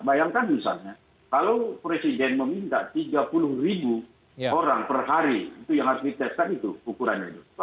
bayangkan misalnya kalau presiden meminta tiga puluh ribu orang per hari itu yang harus diteskan itu ukurannya itu